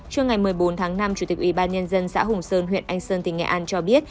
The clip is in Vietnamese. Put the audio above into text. trước ngày một mươi bốn tháng năm chủ tịch ủy ban nhân dân xã hùng sơn huyện anh sơn tỉnh nghệ an cho biết